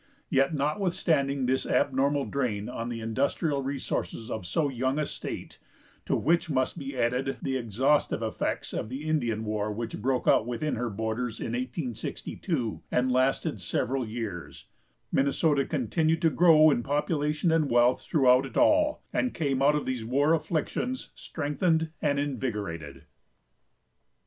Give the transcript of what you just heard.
Yet notwithstanding this abnormal drain on the industrial resources of so young a state, to which must be added the exhaustive effects of the Indian war which broke out within her borders in 1862, and lasted several years, Minnesota continued to grow in population and wealth throughout it all, and came out of these war afflictions strengthened and invigorated.